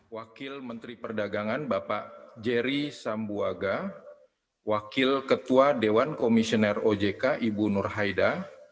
wakil menteri perdagangan bapak jerry sambuaga wakil ketua dewan komisioner ojk ibu nur haida